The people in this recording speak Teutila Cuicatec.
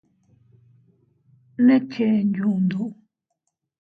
¿Ne chen yundu?